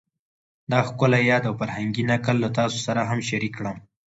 دا ښکلی یاد او فرهنګي نکل له تاسو سره هم شریک کړم